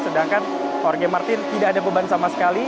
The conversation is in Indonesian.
sedangkan jorge martin tidak ada beban sama sekali